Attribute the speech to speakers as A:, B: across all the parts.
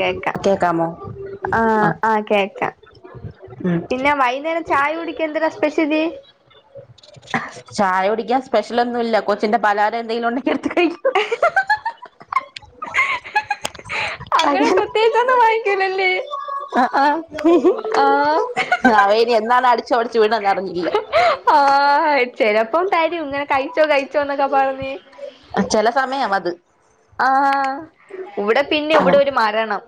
A: കേക്കാം
B: കേക്കാമോ ആ
A: ആഹ് ആഹ് കേക്കാം
B: ഉം
A: പിന്നെ വൈകുന്നേരം ചായ കുടിക്കാൻ എന്തരാ സ്പെഷ്യല്
B: ചായ കുടിക്കാൻ സ്പെഷ്യലൊന്നുല്ല കൊച്ചിന്റെ പലഹാരെൻ ന്തേലും ഉണ്ടെങ്കി എടുത്ത് കൈക്കും
A: അങ്ങനെ പ്രത്യേയിച്ചൊന്നും ഒന്നും വാങ്ങിക്കലല്ലേ
B: ആഹ് ആഹ്
A: ആ
B: അവൻ ഇനി എന്നാണ് അടിച്ചോടിച്ച് വീണെന്ന് അറിഞ്ഞില്ല
A: ആ [unintelligible] പ്പം തരും ങ്ങനെ കഴിച്ചോ കഴിച്ചോന്നൊക്കെ പറഞ്ഞ്
B: ചെല സമയം
A: ആ ഇവിടെ പിന്നെ ഇവിടെ
B: ആഹ്
A: ഒരു മരണം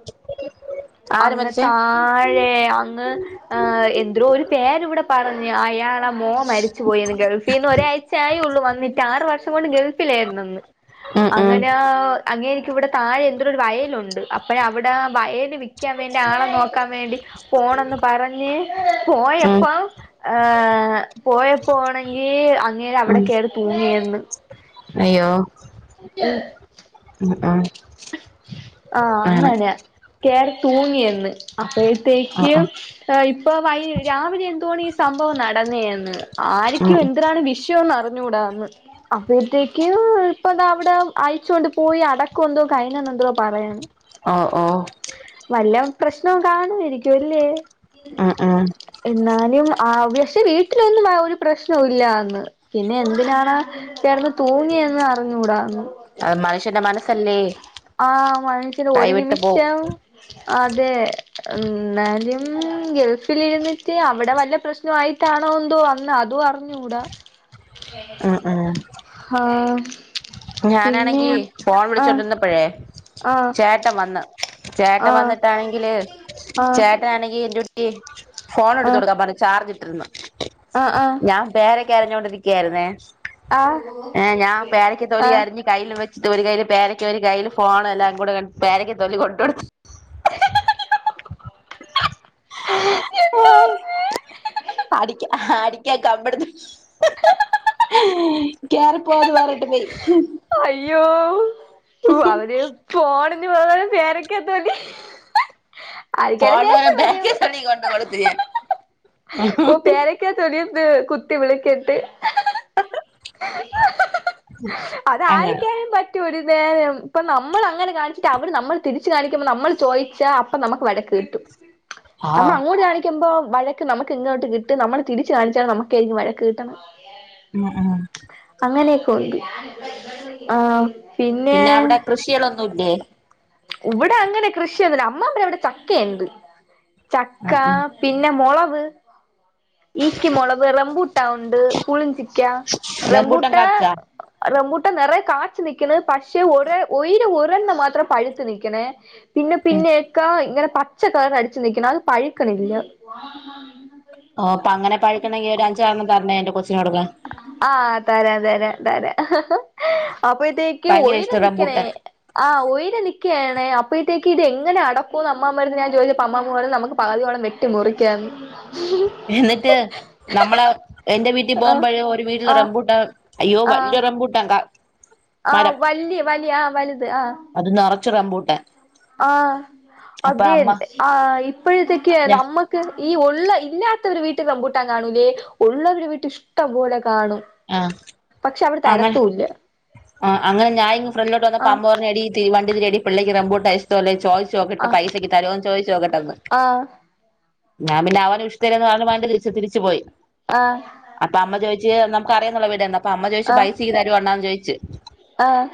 B: ആര്
A: അങ്ങ്
B: മരിച്ചേ
A: താഴെ അങ്ങ് ഏ എന്ത്‌രോ ഒരു പേര് ഇവിടെ പറഞ്ഞ് [unintelligible] മോൻ മരിച്ചു പോയെന്ന് ഗൾഫിന്ന് ഒരാഴ് ചായൊള്ളൂ വന്നിട്ട് ആറ് വർഷം കൊണ്ട് ഗൾഫിലേയ്ന്നെന്ന്
B: ഉം ഉം
A: ഒ അങ്ങേർക്കിവിടെ താഴെ എന്തോരൊരു വയലുണ്ട് അപ്പയാ അവിടെ വയല് വിക്കാൻ വേണ്ടി ആളെ നോക്കാൻ വേണ്ടി പോണംന്ന് പറഞ്ഞ്
B: ഉം
A: പോയപ്പം ഏ പോയപോ ആണെങ്കീ അങ്ങ് ങ്ങേര് അവിടെ
B: ഉം
A: കേറി തൂങ്ങി യെന്ന്
B: അയ്യോ ആ
A: ആ അങ്ങനെ കേറി തൂങ്ങി എന്ന്
B: ആഹ്
A: അപ്പഴത്തേക്ക്
B: ആഹ്
A: ഏ ഇപ്പൊ വയ് രാവിലെ എന്തോണി സ് സംഭവം നടന്നയയെന്ന്
B: ഉം
A: ആരിക്കു എന്തിരാണ് വിഷ്യന്ന് അറി ഞ്ഞൂടാന്ന് അപ്പഴത്തേക്ക് ഇപ്പതാ അവിടെ അയ്ച്ചൊണ്ട് പോയി അടക്കൊന്തൊ കഴിഞ്ഞതേന്തുവോ പറയാൻ
B: ഓ ഓ
A: പ്രശ്നവും കാണുവാരിക്കുവല്ലേ
B: ഉം ഉം
A: എന്നാലും ആ ബെഷേ വീട്ടിലൊന്നും ആ ഒരു പ്രശ്ണോല്ലാന്ന് പിന്നെ എന്തിനാണ് കെടന്ന് തൂങ്ങിയെന്ന് അറിഞ്ഞുകൂടാ
B: അഹ് മനുഷ്യന്റെ മനസ്സല്ലേ
A: ആ മനുഷ്യന് ഒരു
B: കൈവിട്ട് പോവും
A: നിമിഷം അതെ എന്നാലും ഗൾഫിലിര്ന്നിട്ട് അവിടെ വല്ല പ്രശ്ണോ ആയിട്ടാണോ എന്തോ വന്ന് അതു അർഞ്ഞുകൂടാ
B: ഉം ഉം
A: ഹാ
B: ഞാനാണെങ്കി ഫോൺ [unintelligible]
A: ആഹ്
B: ചേട്ടൻ വന്ന് ചേട്ടൻ
A: ആഹ്
B: വന്നിട്ടാണെങ്കില്
A: ആഹ്
B: ചേട്ടനാണെങ്കി എന്റെട് ഏ ഫോൺ എടുത്ത്
A: ആഹ്
B: കൊടുക്കാം പറഞ്ഞ് ചാർജ് [unintelligible]
A: ആഹ്
B: ഞാൻ കറി ക്ക് അരിഞ്ഞോണ്ട് ഇരിക്കുവായിരുന്നേ
A: ആ
B: രി അരിഞ്ഞ് കയ്യിൽ വ ത് ഒരു കയ്യില് പേര ക്ക ഒരു കയ്യില് ഫോണ് എല്ലാം കൂടെ ഞാൻ പേരക്ക തൊലി കൊണ്ടെകൊടുത്തു അടിക്ക അടിക്കാൻ കമ്പെടുത്തു കേറി പോന്ന് പറഞ്ഞിട്ട് പോയി
A: അയ്യോ ഉം അവരെയോ ഫോണ് [unintelligible] പേരക്കാ തൊലി ആരിക്കായാലും
B: ഫോണോരം
A: ദേഷ്യം വരും
B: ബാക്കി തൊലി കൊണ്ട് കൊടുത്ത് ഞാൻ
A: ഓ പേരൊക്കെയാ തൊലിയത്ത് കുത്ത് ട്ടി വിളിക്കട്ട് അതാ
B: അങ്ങനെ
A: [unintelligible] പറ്റ് റ്റ് ഒര് നേരം ഇപ്പ നമ്മൾ അങ്ങനെ കാണിച്ചിട്ട് അവര് നമ്മൾ തിരിച്ച് കാണിക്കുമ്പോ നമ്മള് ചോദിച്ചാ അപ്പൊ നമ്മക്ക് വഴക്ക് കിട്ടും നമ്മ
B: ആഹ്
A: അങ്ങോട്ട് കാണിക്കുമ്പോ വഴക്ക് നമ്മക്ക് ഇങ്ങോട്ട് കിട്ടി നമ്മള് തിരിച്ച് കാണിച്ചാ നമ്മക്കായിരിക്കും വഴക്ക് കിട്ടണെ
B: ഉം ഉം
A: അങ്ങനെയൊക്കെ ഉണ്ട് ആ
B: പിന്നെ അവിടെ കൃഷികളൊന്നും ഇല്ലേ?
A: ഇവിടെ അങ്ങനെ കൃഷിയൊന്നുല്ല അമ്മാമേടവിടെ ചക്കയിണ്ട്
B: ഉം
A: ചക്ക
B: ഉം
A: പിന്നെ മൊളക് [unintelligible] ഈക്കി മൊളക്, റംമ്പൂട്ടൻ ഒണ്ട് പുളിഞ്ചിക്കാ
B: റംബൂട്ടാൻ
A: റംമ്പൂട്ടാൻ
B: കായ്ച്ചാ
A: റംമ്പൂ നെറയ കാച്ച് നിക്കണ് പക്ഷെ ഒര് ഒയിര് ഒരെണ്ണ മാത്രം പഴുത്തു നിക്കണെ പിന്നെ
B: ഉം
A: പിന്നെയക്കാ ഇങ്ങനെ പ പച്ച കളറ് അടിച്ചു നിക്കണ് അത് പഴ്ക്കണില്ല
B: ഓ അപ്പെ അങ്ങനെ പഴിക്കണെങ്കിൽ ഒരു അഞ്ച് തവണം പറഞ്ഞേ എന്റെ കെസ്
A: ആഹ് തരാതര ത അപ്പഴത്തേക്ക്
B: ഭയങ്കര
A: ഒയിട്
B: ഇഷ്ട
A: നിൽിക്കണേ
B: റംബൂട്ടാൻ
A: ആ ഒ നി ണേ അപ്പോഴത്തേക്ക് ഇത് എങ്ങനെടക്കൂന്ന് അമ്മമാരുന്ന് ഞാൻ ചോദിച്ചപ്പ അ്മ്മമാരരെ നമു പകുോളം വട്ടി മുറിക്കാന്ന്
B: എന്നിട്ട് നമ്മളെ എന്റെ വീട്ടിൽ
A: ആഹ്
B: പോകുമ്പഴേ ഒരു വീട്ടിൽ
A: ആഹ്
B: റമ്പൂട്ട അയ്യോ
A: ആഹ്
B: വല്ലിയ ഉറംമ്പൂട്ടങ്ക
A: ആഹ് വല്ിയ വല് ആ വ അതെ ആഹ
B: റമ്പൂട്ടെ
A: ആഹ് അത്യ ആഹ ഇപ്പോഴത്തേക്ക്
B: ഞാ
A: നമക്ക് ഈ ഉള്ള ഇന്നകത്തവർ വീട്ടിൽ കമ്പൂട്ടാൻ കാണൂലേ ഉള്ളവര് വീട്ട ഇഷ്ടം പോലെ കാണും
B: ആ
A: പക്ഷെ അവര്
B: അങ്ങനെ
A: തരത്തൂല്ല
B: ആ അങ്ങനെ ഞാൻ ഫ്രണ്ടിലോട്ട് വന്ന
A: ആഹ്
B: പമ്പോറിനടിീ വണ്ട തിേടി പിള്ളക്ക്ുമോ അഷ്ടോല്ലേ ചോയ്സ് ചോക്കട്ട്
A: ആഹ്
B: പൈസ കി താലോ ചോദ ചോക്കട്ട
A: ആഹ്
B: ഞാൻ പിെ അവൻ ഇഷ്ടര പറ തിരി തിരിു പോയി
A: ആഹ്
B: അപ്പം അമ്മ ജ ന അറയള്ള വീണ്ട അപ്പ അമ്മ ചോിച്ച പൈസ്ീ തരു വണ്ടണന്ന്ോദ ശരി
A: ആഹ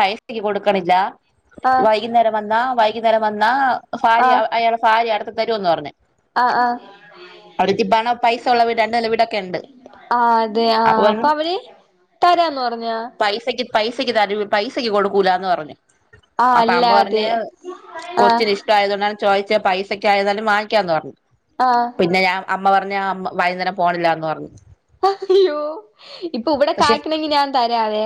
B: പൈസക്ക് കൊടുക്കണില്ല വൈകുന്നേരം വന്നാ വൈ തര വന്ന
A: ആഹ്
B: ഭാരിയ
A: ആഹ്
B: അയാാണ് ഭാരിയ അടു തരുമ എന്ന് പറഞ്ഞു
A: ആഹ് ആഹ്
B: അവിടക്ക് പണ പൈസ ഉള്ള വീട്ണ്ട്ല്ല വീടൊക്കെ ഉണ്ട്
A: അതെ ആഹ അപ്പൊ അവര് തരാന്ന് പറഞ്ഞ
B: പൈസക്ക് പൈസക്ക് ത പൈസക്ക് കൊടുക്കൂലന്ന് പറഞ്ഞു
A: ആഹ്
B: അപ്പൊ അമ്മ
A: അല്ലാതെ
B: പറഞ്ഞഞ്
A: ആഹ്
B: കൊച്ചിിന ഇഷ്ട ആയത് കൊൊണ്ട ചോദിച്ച പൈസ ക്ക ആയിന്നാലും വാങിക്കാന്ന് പറഞ്ഞു.
A: ആഹ്
B: പിന്നെ ഞാ അമ്മ പറഞ്ഞ അ വൈകുന്നേരം പോണില്ലന്ന് പറഞ്ഞു.
A: അയ്യോ ഇപ്പൊ ഇവിടെ
B: പക്ഷെ
A: കായാക്കണമെങ്കി ഞാൻത വേ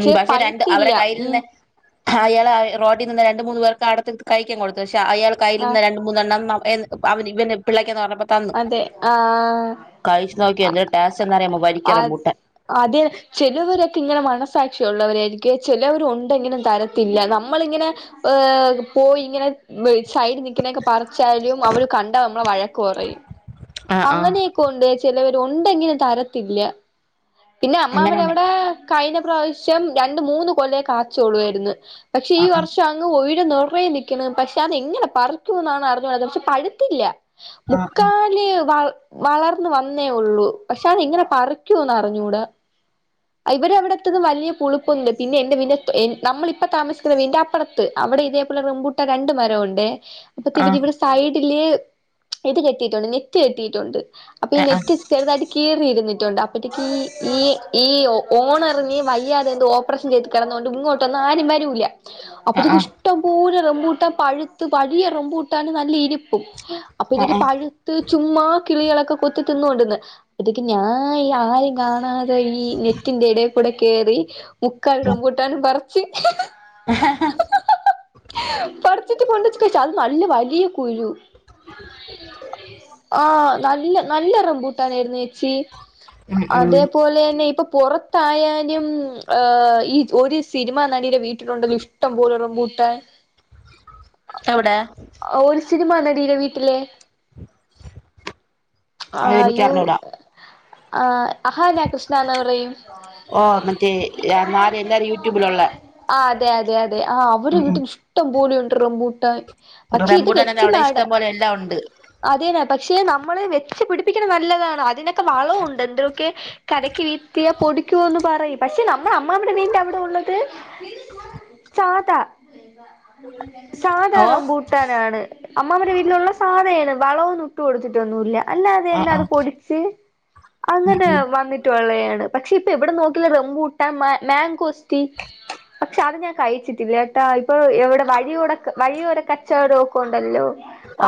B: ഉം പക്ഷെ രണ്ട് അവരെ കയ്ൽന്ന ആ അയാള റോട്ടിനിന്ന രണ്ട് മൂന്ന് പേർക്ക് അടുത്ത് കഴിക്കാൻ കൊടുത്ത് ക്ഷേ അയാൾ
A: ആഹ്
B: കയ്യിലരുന്ന രണ്ട് മൂന്നെണ്ണം എ അവ ഇവെ പിള്ളേക്ക എന്ന് പറഞ്ഞ
A: അതെ ആ
B: കഴിച്ചു നോക്കിയോ എന്തൊരു ടേസ്റ്റ് എന്നറിയാമോ വരിക്ക റംബൂട്ടാൻ
A: അതെ ചെലവരൊക്കെ ഇങ്ങനെ മന സാക്ഷിയള്ളവരായിരിക്ക ചിലവരു ഉണ്ടെങ്കിലും തരത്തില്ല. നമ്മള് ഇങ്ങനെ പോയി ഇങ്ങനെ സൈഡ് നിക്കണെക്ക പറിച്ചാലും അവര് കണ്ട നമ്മളെ വഴ കുറയും.
B: ആഹ് ആഹ്
A: അങ്ങനെയൊക്കെ ഉണ്ടെ ചിലവ ഉണ്ടെങ്കിനും തരത്തില്ല. പിന്നെ അമ്മാമ്മൻ
B: അങ്ങനെന്നെ
A: എവിടെ കഴിഞ പ്രാവശ്യം രണ്ട് മൂന്ന് കൊല്ലയെ കാച്ചോള്ളുയിരുന്നു. പക്ഷെ ഈ
B: ആഹ് ആഹ്
A: വർഷം അങ് ഒ നറേ നിക്കുന്നു. പക്ഷെ അത് എങ്ങനെ പറിക്കുന്നാണ് അറിഞ്ഞൂത് പക്ഷെ പഴുത്തില്ല.
B: ആഹ്
A: മുക്കാലി വ വളർന്ന വന്നേ ഒള്ളൂ. പക്ഷെ അത് ഇങ്ങനെ പറിക്കൂന്നറി ഞ്ഞൂട. ഇര അവിടത്തും വലിയ പുളുപ്പുണ്ട് പിന്നെ എന്റെന നമ്മള ഇപ്പ താമസിക്കുന്ന വന്റെ അപ്പുറത്ത് അവിടെ ഇതേപോലെ റബൂട്ട രണ്ട് മരംഒ ണ്ടെ
B: ആഹ്
A: അപ്പൊതിവരി
B: ആഹ്
A: ഇവിടെ സൈഡ് ടില് ഇത് കെട്ടിയിട്ടുണ്ട്. നെറ്റ് കെട്ടിയിട്ടുണ്ട്. അപ്പൊ ഈ
B: ആഹ് ആഹ്
A: നെറ്റ് ചെറുതായിട്ട് കീറിരുന്ന് ണ്ട ഇറ്റക്ക് ഈ ഈ ഓണറിന് വയ്യാതെ എന്ത് ഓപ്പറേഷൻ ചെയ്ത് കിടന്നുകൊണ്ട് ഇങ്ങോട്ടൊന്നും ആരും വരുല. അപ്പൊതക്ക് ഇഷ്ടംപോലെ റം കൂട്ടം പഴുത്ത് വഴിയ റംബൂട്ടാണ് നല്ല ഇനിപ്പും. അപ്പൊ ഇതക്ക് പഴുത്ത് ചുമ്മാ കിളികളൊക്കെ കുത്തി തിന്നൊണ്ടന്ന് ആപ്പൊതെക്ക് ഞ ഈ ആരും കാണാ ത ഈ നെറ്റിന്റെ എടെ കൂടെ കേറി മുക്കാൽ റംബൂട്ടാനും പറ പട [unintelligible] ത്തി കൊണ്ട വച്ച അത് നല്ല വലിയ കുരു ആ നല്ല നല്ല റംബുട്ടാൻ ആയിരുന്നു ചേച്ചി
B: ഉം ഉം
A: ന്നെ ഇപ്പൊ പുറത്തായാലും ഏ ഈ ഒരു സിനിമ നടിയന്റെ വീട്ടിലുണ്ടല്ലോ ഇഷ്ടം പോലെ റംബുട്ടാൻ
B: എവിടെ?
A: ഒരു സിനിമ നടി വീട്ടില് ആ യു
B: അതെനിക്കറിഞ്ഞൂടാ
A: ആ അഹാന സാന്ന് പറയും
B: ഓ മറ്റേ നാല് എല്ലാരും യൂട്യൂബിലുള്ള
A: ആ അതെ അതെ അതെ ആ അവര് വീട്ടിൽ ഇഷ്ടം പോലെഉണ്ട് റംബുട്ടാൻ
B: റംമ്പൂട്ടനന്നെ അവിടെ ഇഷ്ടം പോലെ എല്ലാ ഒണ്ട്
A: അതന്നെ പക്ഷെ നമ്മള് വെച്ച് പിടിപ്പിക്ക്ന്നെ നല്ലതാണ് അതിനൊക്കെ വളവുണ്ട് എന്തൊക്കെ കരക്ക് വീത്തിയ പൊടിക്കുവോന്ന് പറയും പക്ഷെ നമ്മള അമ്മാമ്മന്റെ വീടിന്റെ അവിടെ ഉള്ളത് സാധാ സാധാ
B: ഓ
A: റംബൂട്ടാനാണ് അമ്മാമ്മടെ വീട്ടിലുള്ള സാധെയത് വളം ഒന്നും ഇട്ട് കൊടുത്തിട്ടൊന്നുയില്ല അല്ല
B: ആഹ്
A: അതിയന്നാ അത്
B: ആഹ്
A: പൊടിച്ച്
B: ഉം
A: അങ്ങനെ
B: ഉം
A: വന്നി കളയാണ് പക്ഷെ ഇപ്പെ എവിടെ നോക്കിയാറിയോ റംബൂട്ടാൻ മ മാങ്കോസ്റ്റി പക്ഷെ അത് ഞാൻ കഴിച്ചിട്ടില്ലെട്ടൊ ഇപ്പൊ എവിടെ വഴിയൂട വഴിയോര കച്ചവടം ഒക്കണ്ടല്ലോ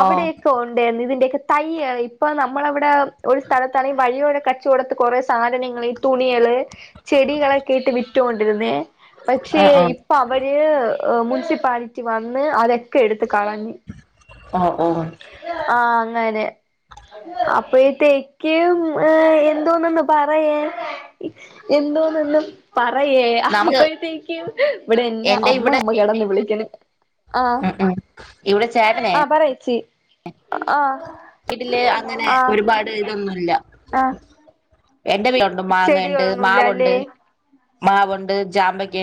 B: ഓ
A: ഒണ്ടേര്ന്ന് ഇതിന്റെക്കെ തൈയ്യ് ഇപ്പൊ നമ്മളവിടെ ഒരു സ്ഥലത്താണെ വഴിയോര കച്ചവടത്ത് കൊറെ സാധനങ്ങള്, തുണിയള് ചെടികളൊക്കെ ഇട്ട് വിറ്റോണ്ടിരുന്നേ പക്ഷേ
B: ആഹ് ആഹ്
A: ഇപ്പ അവര് ഓ മുൻസിപ്പാലിറ്റി വന്ന് അതക്കെ എട്ത്ത് കളഞ്ഞ്
B: ഓ ഓ
A: അതെ അപ്പയത്തേക്കും ഉം ഏ എന്തോന്നന്ന് പറയെ എന്തോന്നൊന്ന് പ റയേ
B: നമുക്ക്
A: അപ്പഴത്തേക്ക് ഇവിടെയെന്നെ
B: എന്റെ
A: അമ്മ
B: ഇവിടെ
A: അമ്മ കെടന്ന് വിളിക്ക്ണ്
B: ഉം ഉം ഇവിടെ ചേട്ടനെ
A: ചി
B: ഇതില് അങ്ങനെ
A: ആഹ്
B: ഒരുപാട് ഇതൊന്നുല്ല
A: ആഹ്
B: എന്റെ വ ഉണ്ട് മാങ്ങയുണ്ട്
A: ചെടികളൊന്നുല്ല
B: മാവുണ്ട് മാവ്ണ്ട്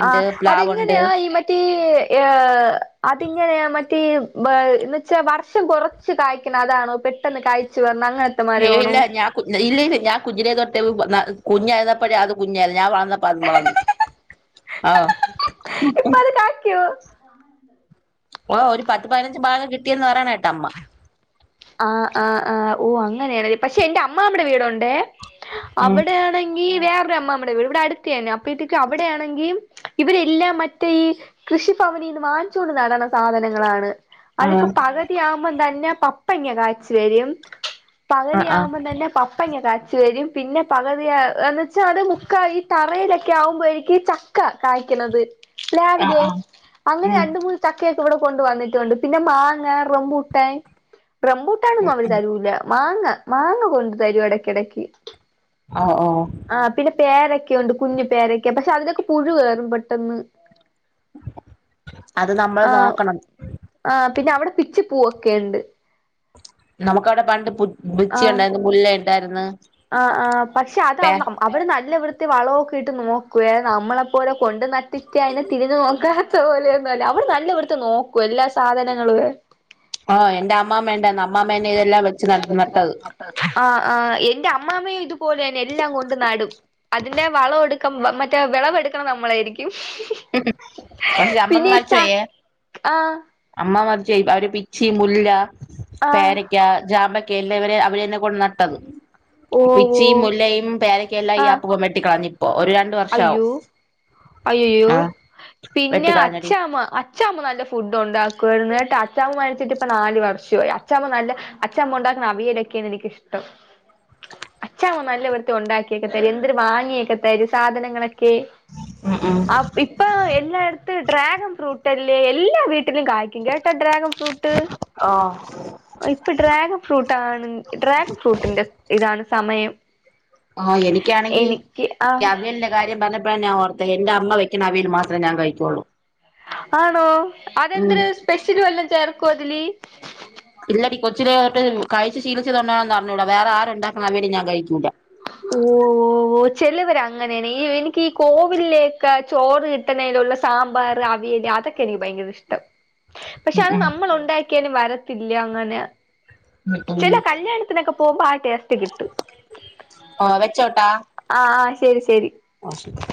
A: ആ അതെങ്ങനെയാ ഈ മറ്റേ ഏഹ് അതിങ്ങനെയാ മ [unintelligible] എന്ന് വെച്ചാൽ വർഷം കൊറച്ച് കായ്ക്കണ അതാണോ പെട്ടെന്ന് കായച്ചു വന
B: ഇല്ല ഇല്ല ഞാ കു ഇല്ല ഇല്ല ഞാൻ കുഞ്ഞിലെ തെട്ടോ [unintelligible] കുഞ്ഞായിരന്ന പ്പോഴെ അത് കുഞ് ഞാൻ [unintelligible] ആഹ്
A: ഇപ്പ അത് [inaudible]
B: ഓ ഒരു പത്ത് പതിനഞ്ച് ഭാഗം കിട്ടിയന്ന് പറയ്ണ് കേട്ട് അമ്മ
A: ആഹ് ആഹ് ആഹ് ഓ അങ്ങനെയാണ പക്ഷെ എന്റെ അമ്മ്മാമ്മടെ വീട് ഉണ്ട്
B: ഉം
A: അവിടെയാണെങ്കി വേറെ അമ്മമ്മടെ ഇവിടെ അടുത്തന്നെ അപ്പോഴത്തേക്ക് അവിടെയാണെങ്കിൽ ഇവരെല്ലാം മറ്റേ ഈ കൃഷിഭവനിന്ന് വാങ്ങിച്ചു കൊണ്ട്ന്ന് താണ് സാധനങ്ങളാണ് അതിപ്പോ
B: ആഹ്
A: പകുതിയാകുമ്പം തന്നെ പത്ത് കപ്പങ്ങ കായ്ച്ച് വരും പകുതി
B: ആഹ് ആഹ്
A: ആവുമ്പോം തന്നെ പപ്പങ്ങ കാ വച്ച് വരും പിന്നെ പകുതി എന്ന്ച്ചാ അത് മുക്ക ഈ തറയിലൊക്കെ ആവുമ്പോയിക്കും ചക്ക കായ്ക്കുന്നത് രാവിലെ അങ്ങനെ
B: ഉം
A: രണ്ട് മൂന്ന് ചക്കയെ ഇവിടെ കൊണ്ട വന്നിട്ടുണ്ട് പിന്നെ മാങ്ങ റബൂട്ടാൻ
B: ഉം
A: റംബൂട്ടാണനൊന്നും അവര്
B: ഉം
A: തരൂല മാങ്ങ മാങ്ങ കൊണ്ടു തരും എടക്കെടക്ക്
B: ഓഹ് ഓഹ്
A: പേരക്കയൊണ്ട് കുഞ്ഞ് പേരക്ക പഷേ അതിലൊക്കെ പുഴു കേറും പെട്ടന്ന്
B: അത് നമ്മള് നോക്കണം
A: ആ പിന്നെ അവിടെ പിച്ചി പൂവക്കെയൊണ്ട്
B: നമുക്ക അവിടെ പണ്ട് പു ബുച്ചി ഒണ്ടാരുന്നു മുല്ല ണ്ടാരുന്ന്
A: ആഹ് ആഹ് പക്ഷേ അത് അവട്നല്ലേ ഇവി ത്തി വളോക്കെ ഇട്ട് നോക്കുവേ നമ്മളെപ്പോലെ കൊണ്ട് നട്ടിട്ട് അയിനെ തിരിഞ്ഞു നോക്കാ ത്താ പോലെയൊന്നും അല്ല അവടെ നല്ല ഇടുത്ത് നോക്കും എല്ലാ സാധനങ്ങളുവേ
B: ആഹ് എന്റെ അമ്മാമ്മ ഇണ്ടാന്നു അ മ്മാമ്മേനെ ഇതെല്ലാം വെച്ച് നട്ടത്
A: ആഹ് ആഹ് എന്റെ അമ്മാമ്മയും ഇതുപോലെ തന്നെ എല്ലാം കൊണ്ട് നടും അതിന്റെ വളവെടുക്കം മറ്റേ വെളവെടുക്കണ നമ്മളാരിക്കും
B: പക്ഷെ
A: ഈ
B: അമ്മമാച്ച
A: ച
B: എ
A: ആഹ്
B: ചെയ അവര് പിച്ചി മുല്ല
A: ആഹ്
B: പേരക്ക ജാമ ല്ല അവരെ അവര്ന്നെ കൊണ്ട് നട്ടുത്
A: ഓ ഓ
B: പിച്ചിയും മുല്ലയും പേരൊക്കെല്ലാം ഈ
A: ആഹ്
B: ആപ്പക വെട്ടിക്കളഞ്ഞി ഒര് രണ്ട വർഷാവും ആഹ്
A: അയ്യൊപിന്നെ
B: വെട്ടിക്കളഞ്ഞടി
A: അച്ചാമ്മ അച്ചാമ്മ നല്ല ഫുഡ് ഉണ്ടാക്കുവയിരുന്നു എന്നിട്ട് അച്ചാാവ് മരിച്ചിട്ട് ഇപ്പ നാല് വർഷമായി അച്ചാ നല്ല അച്ചാമ്മ ഉണ്ടാക്കുന്ന അവിയലൊക്കെയാണ് എനിക്കഷ്ടം അച്ചാമ്മൻ നല്ല ഇവിടത്തെ ഉണ്ടാക്കിയൊക്കെ തരും എന്തൊരു വാങ്ങിയൊക്കെ തരും സാധനങ്ങളൊക്കെ
B: ഉം ഉം
A: ഇപ്പൊ എല്ലാ ഇടത്തും ട്രക് ഫ്രൂട്ട എല്ലാ വീട്ടു കയിക്കും കേട്ടാ ഡ്രാഗൺ ഫ്രൂട്ട്
B: ഓഹ്
A: ഇപ്പൊ ഡ്രാഗൺ ഫ്രൂട്ട ആണ് ഡ്രാഗൺ ഫ്രൂട്ടിന്റെ ഇതാണ് സമയം
B: ആ എനിക്കാണെങ്കിൽ
A: എനിക്ക് ആ
B: ഈ അവിയൽ കാര്യം പറഞ്ഞപ്പോഴ ഞാ ഓർത്തത് എന്റെ അമ്മ വ ക അവയി മാത്രേ ഞാൻകഴിക്കൊള്ളൂ
A: ആണോ അതെന്തരു സ്പെഷ്യൽ വല്ലാം ചേർ കൊതിലി
B: കഴിച്ചു ശീലിച്ചത്തുണ്ടോന്ന്റിഞ്ഞൂട വേറെ ആരു ഉണ്ടാക്കുന്ന അവിയൽ ഞാൻ കഴിക്കൂല
A: ഓ ഓ ചെലവര് അങ്ങനെയാണ് ഈ എനിക്ക് ഈ കോവിലിലേക്കെ ചോറ് കിട്ടണലുള്ള സാമ്പാർ അവിയൽ അതൊക്കെ എനിക്ക് ഭയങ്കര ഇഷ്ടം പക്ഷെ
B: ഉം
A: അത്
B: ഉം
A: നമ്മൾ ഉണ്ടാക്കിയാലും വര ഇല്ല അങ്ങനെ
B: ഉം ഉം
A: ചെല കല്യാണത്തിനൊക്കെ പോകമ്പ അ ടേസ്റ്റ് കിട്ടും
B: ആ വെച്ചോട്ടാ
A: ആ ശരി ശരി
B: ഒക്കേ